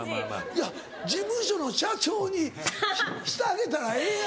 いや事務所の社長にしてあげたらええやないかい！